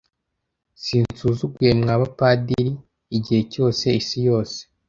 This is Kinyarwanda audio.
Sinsuzuguye mwa bapadiri, igihe cyose, isi yose,